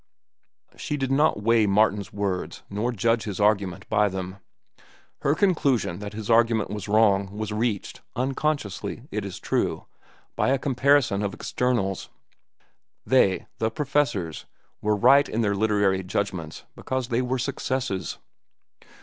She did not weigh Martin's words nor judge his argument by them. Her conclusion that his argument was wrong was reached—unconsciously, it is true—by a comparison of externals. They, the professors, were right in their literary judgments because they were successes.